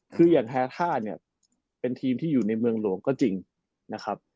คืออย่างแฮท่าเนี่ยเป็นทีมที่อยู่ในเมืองหลวงก็จริงนะครับ